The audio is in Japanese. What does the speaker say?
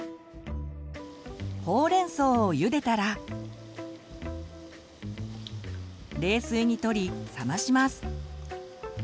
ほうれんそうをゆでたら冷水にとり冷まします。